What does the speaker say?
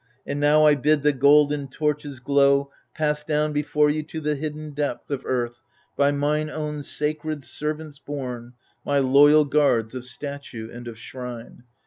And now I bid the golden torches' glow Pass down before you to the hidden depth Of earth, by mine own sacred servants borne, My loyal guards of statue and of shrine.